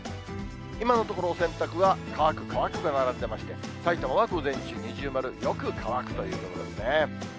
今のところ、洗濯は乾く、乾くが並んでいまして、さいたまは午前中◎、よく乾くということですね。